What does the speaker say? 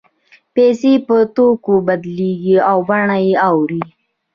پیسې په توکو بدلېږي او بڼه یې اوړي